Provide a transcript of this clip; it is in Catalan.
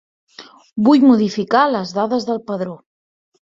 Vull modificar les dades del padró.